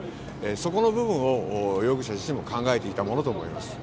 そこの部分を容疑者としても考えていたものと思います。